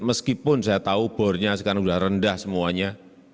meskipun saya tahu bornya sekarang sudah rendah semuanya